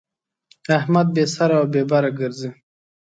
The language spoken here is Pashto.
احمد بې سره او بې بره ګرځي.